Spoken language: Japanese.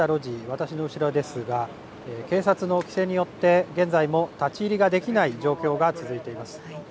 私の後ろですが警察の規制によって現在も立ち入りができない状況が続いています。